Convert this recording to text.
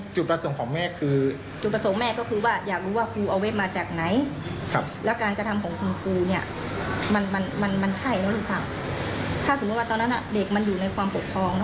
ถ้าสมมุติว่าตอนนั้นเด็กมันอยู่ในความปกครอง